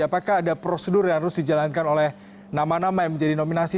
apakah ada prosedur yang harus dijalankan oleh nama nama yang menjadi nominasi